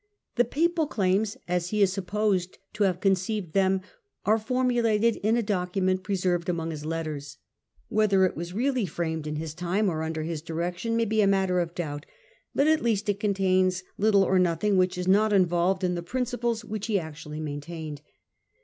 The papal claims, as he is sup posed to have conceived them, are formulated in a document preserved amongst his letters. Whether it was really framed in his time or under his direction may be a matter of doubt, but, at least, it contains little or nothing which is not involved in the principles which he actually maintained.